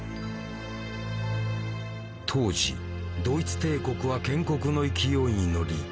当時ドイツ帝国は建国の勢いに乗り